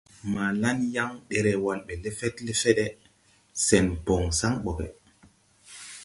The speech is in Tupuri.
Maa laŋ yaŋ, derewal ɓe lefed lefede, sen bon san boge.